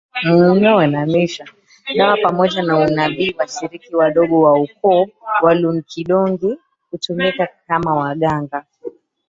Dawa Pamoja na unabii washiriki wadogo wa ukoo wa Loonkidongi hutumika kama waganga